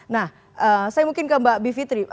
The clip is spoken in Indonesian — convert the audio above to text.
nah saya mungkin ke mbak bivitri